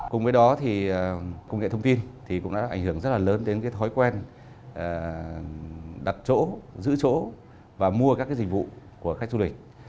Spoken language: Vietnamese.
cùng với đó thì công nghệ thông tin thì cũng đã ảnh hưởng rất là lớn đến thói quen đặt chỗ giữ chỗ và mua các dịch vụ của khách du lịch